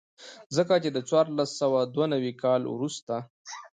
ځکه چې د څوارلس سوه دوه نوي کال وروسته.